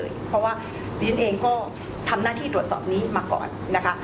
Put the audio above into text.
จะได้ว่าพวกฉันก็มาทำงานตรวจสอบซะ